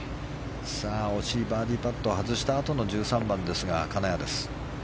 惜しいバーディーパットを外したあとの１３番金谷です。